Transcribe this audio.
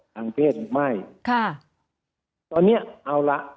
ทางเพศหรือไม่ค่ะตอนเนี้ยเอาละ